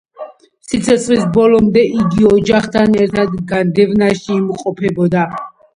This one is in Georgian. სიცოცხლის ბოლომდე იგი ოჯახთან ერთად განდევნაში იმყოფებოდა.